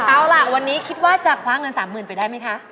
เอาล่ะวันนี้คิดว่าจะคว้าเงิน๓๐๐๐ไปได้ไหมคะ